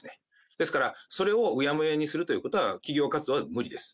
ですから、それをうやむやにするということは、企業活動では無理です。